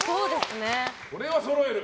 これはそろえる？